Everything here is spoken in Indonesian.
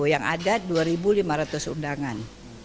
yang ada dua lima ratus undangan